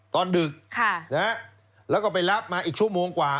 ดึกแล้วก็ไปรับมาอีกชั่วโมงกว่า